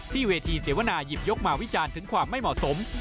เวทีเสวนายิบยกมาวิจารณ์ถึงความไม่เหมาะสม